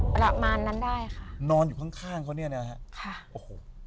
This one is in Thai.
ประมาณนั้นได้ค่ะนอนอยู่ข้างข้างเขาเนี่ยนะฮะค่ะโอ้โห